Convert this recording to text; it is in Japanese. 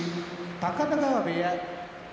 高田川部屋